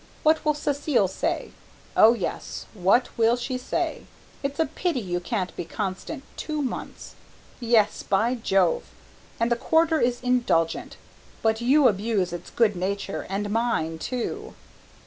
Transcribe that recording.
What will Cécile say, oh, yes, what will she say? It's a pity you can't be constant two months, yes, by Jove! and the Quarter is indulgent, but you abuse its good nature and mine too!"